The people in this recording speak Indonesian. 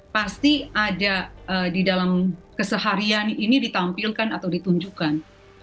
pasti ada di dalam keseharian ini ditampilkan atau ditunjukkan